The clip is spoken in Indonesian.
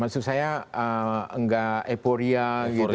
maksud saya nggak eporia gitu